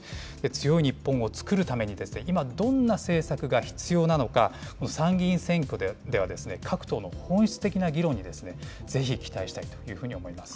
強い日本をつくるために、今、どんな政策が必要なのか、参議院選挙では各党の本質的な議論に、ぜひ期待したいというふうに思います。